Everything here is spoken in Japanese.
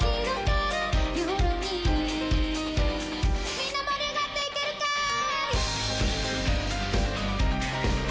みんな盛り上がっていけるかーい！